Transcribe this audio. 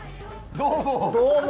どうも。